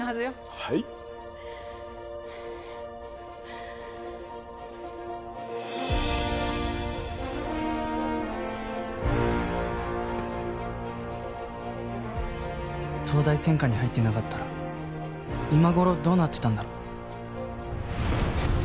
はい東大専科に入ってなかったら今頃どうなってたんだろう？